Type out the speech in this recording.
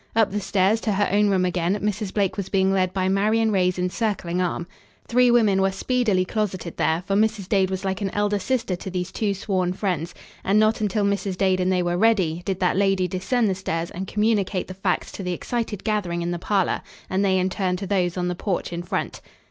Up the stairs, to her own room again, Mrs. Blake was being led by Marion Ray's encircling arm. Three women were speedily closeted there, for Mrs. Dade was like an elder sister to these two sworn friends, and, not until Mrs. Dade and they were ready, did that lady descend the stairs and communicate the facts to the excited gathering in the parlor, and they in turn to those on the porch in front.